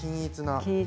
均一な。